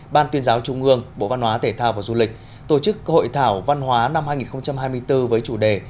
ban tuyên giáo trung ương bộ văn hóa tể thao và du lịch tổ chức hội thảo văn hóa năm hai nghìn hai mươi bốn với chủ đề